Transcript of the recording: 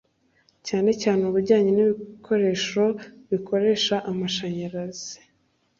cyane cyane ubujyanye n’ibikoresho bikoresha amashanyarazi